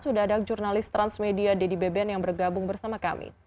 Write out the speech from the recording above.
sudah ada jurnalis transmedia deddy beben yang bergabung bersama kami